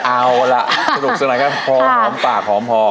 โอละสนุกสนัยครับหอมปากหอมพอ